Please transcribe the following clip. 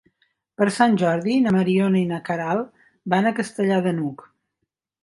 Per Sant Jordi na Mariona i na Queralt van a Castellar de n'Hug.